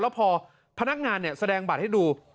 แล้วพอพนักงานแสดงบัตรให้ดู